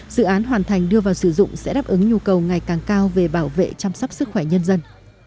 dự án hoàn thành đưa vào sử dụng sẽ đáp ứng nhu cầu ngày càng cao về bảo vệ chăm sóc sức khỏe nhân dân